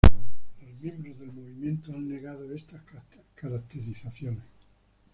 Los miembros del movimiento han negado estas caracterizaciones.